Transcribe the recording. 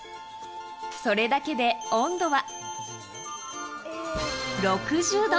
それだけで温度は６０度。